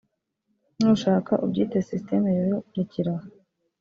nushaka ubyite System rero recyera aho